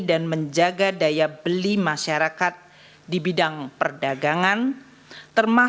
dan menjaga daya belanja